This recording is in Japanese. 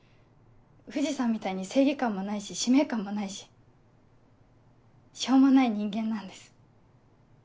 藤さんみたいに正義感もないし使命感もないししょうもない人間なんです。